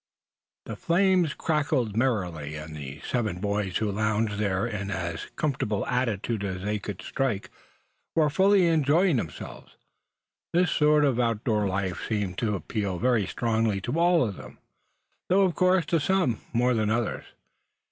THE flames crackled merrily, and the seven boys who lounged there in as comfortable attitudes as they could strike, were fully enjoying themselves. This sort of outdoor life seemed to appeal very strongly to all of them, though of course to some more than others.